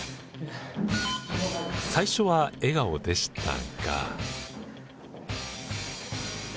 最初は笑顔でしたが。